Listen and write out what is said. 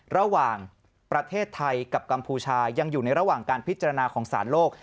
ระหว่างประเทศไทยกับกัมพูชายังอยู่ในระหว่างการพิจารณาของสารโลก